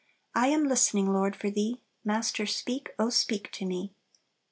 I am listening, Lord, for Thee; Master, speak, oh, speak to me!"